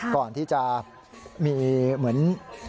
ก่อนที่จะมีเหมือน